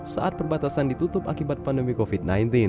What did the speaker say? saat perbatasan ditutup akibat pandemi covid sembilan belas